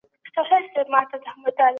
موږ عادلانه پرېکړي کولي.